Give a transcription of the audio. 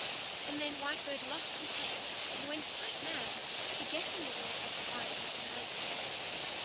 And then Whitebird lost his head and went quite mad, forgetting the words of wise Mother Magpie.